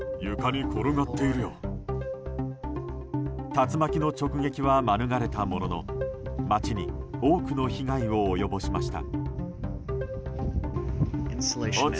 竜巻の直撃は免れたものの街に多くの被害を及ぼしました。